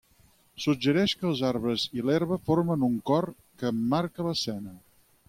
Suggereix que els arbres i l'herba formen un cor, que emmarca l'escena.